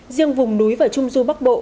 riêng vùng núi và trung du bắc bộ